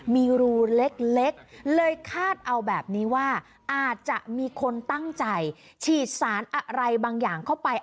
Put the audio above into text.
มีรูเล็กเลยคาดเอาแบบนี้ว่าอาจจะมีคนตั้งใจฉีดสารอะไรบางอย่างเข้าไป